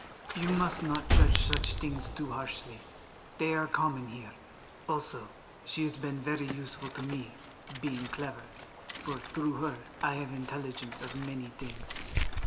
You must not judge such things too harshly; they are common here. Also, she has been very useful to me, being clever, for through her I have intelligence of many things.